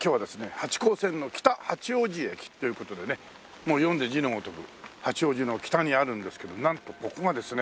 八高線の北八王子駅という事でね読んで字のごとく八王子の北にあるんですけどなんとここがですね